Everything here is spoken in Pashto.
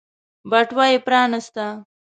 بټوه يې پرانيسته.